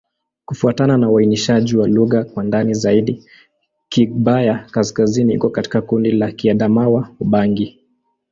Kufuatana na uainishaji wa lugha kwa ndani zaidi, Kigbaya-Kaskazini iko katika kundi la Kiadamawa-Ubangi.